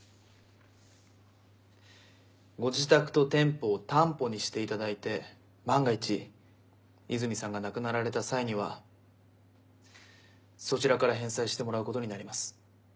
ご自宅と店舗を担保にしていただいて万が一泉さんが亡くなられた際にはそちらから返済してもらうことになります。